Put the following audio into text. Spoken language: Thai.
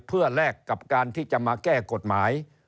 เพื่อแลกกับการที่จะมาแก้กฎหมาย